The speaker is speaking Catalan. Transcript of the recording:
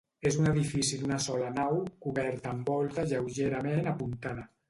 És un edifici d'una sola nau, cobert amb volta lleugerament apuntada.